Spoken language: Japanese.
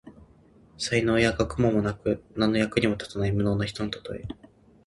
才能や学問もなく、何の役にも立たない無能な人のたとえ。